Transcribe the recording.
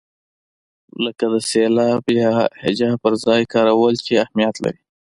لکه د سېلاب یا هجا پر ځای کارول چې اهمیت لري.